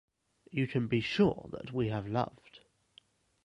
You can be sure that we have loved.